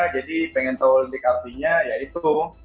jadi ingin tahu intik artinya ya itu